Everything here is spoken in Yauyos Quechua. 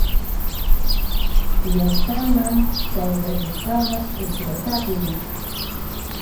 Llaqtaman ćhayarushpaqa upyashaqmi.